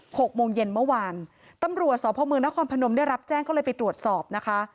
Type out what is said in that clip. หกโมงเย็นเมื่อวานตำรับแจ้งก็เลยไปตรวจสอบนะคะ